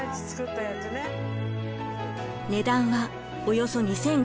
値段はおよそ２，５００円。